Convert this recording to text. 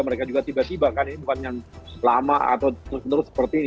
mereka juga tiba tiba kan ini bukan yang lama atau terus menerus seperti ini